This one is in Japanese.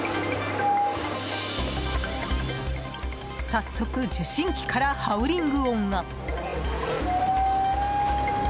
早速、受信機からハウリング音が。